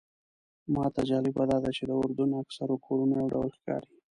ماته جالبه داده چې د اردن اکثر کورونه یو ډول ښکاري.